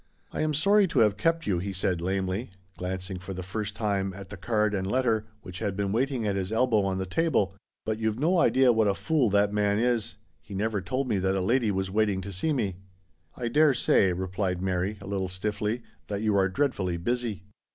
" I am sorry to have kept you," he said lamely, glancing for the first time at the card and letter, which had been waiting at his elbow on the table, " but you've no idea what a fool that man is. He never told me that a lady was waiting to see me." " I dare say," replied Mary a little stiffly, " that you are dreadfully busy."